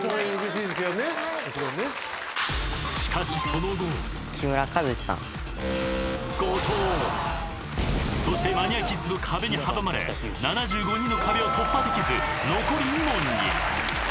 ［そしてマニアキッズの壁に阻まれ７５人の壁を突破できず残り２問に］